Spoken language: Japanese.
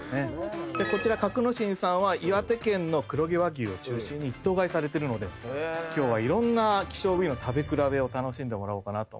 格之進さんは岩手県の黒毛和牛を中心に一頭買いされてるので今日はいろんな希少部位の食べ比べを楽しんでもらおうと。